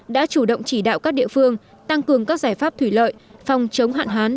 đã chủ động chỉ đạo các địa phương tăng cường các giải pháp thủy lợi phòng chống hạn hán